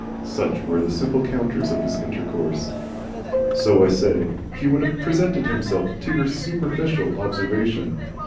Such were the simple counters of his intercourse. So, I say, he would have presented himself to your superficial observation.